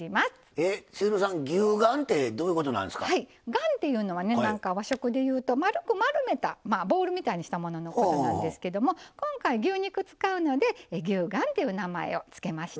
「丸」っていうのはねなんか和食で言うと丸く丸めたボールみたいにしたもののことなんですけども今回牛肉使うので牛丸っていう名前を付けました。